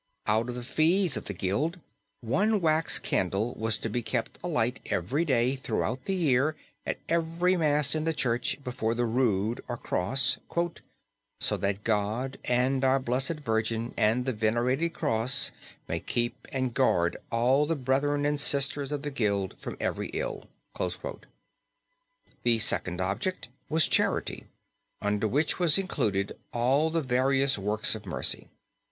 Out of the fees of the Guild one wax candle was to be kept alight every day throughout the year at every mass in the church before the rood, or cross, "so that God and our Blessed Virgin and the Venerated Cross may keep and guard all the brethren and sisters of the Guilds from every ill." The second object was charity, under which was included all the various Works of Mercy.